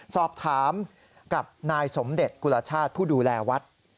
สอบถามกับนายสมเด็จกุลชาติผู้ดูแลวัด